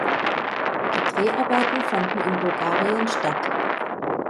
Die Dreharbeiten fanden in Bulgarien statt.